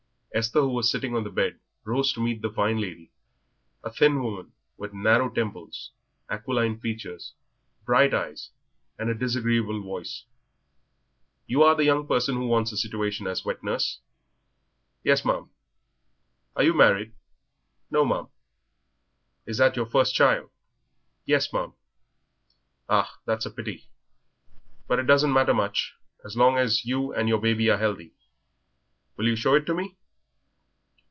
Esther, who was sitting on the bed, rose to meet the fine lady, a thin woman, with narrow temples, aquiline features, bright eyes, and a disagreeable voice. "You are the young person who wants a situation as wet nurse?" "Yes, ma'am." "Are you married?" "No, ma'am." "Is that your first child?" "Yes, ma'am." "Ah, that's a pity. But it doesn't matter much, so long as you and your baby are healthy. Will you show it to me?"